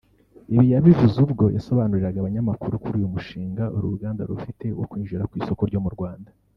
Ibi yabivuze ubwo yasobanuriraga abanyamakuru kuri uyu mushinga uru ruganda rufite wo kwinjira ku isoko ryo mu Rwanda